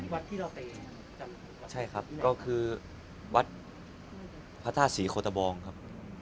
วัดที่เราไปจำวัดใช่ครับก็คือวัดพระธาตุศรีโคตะบองครับ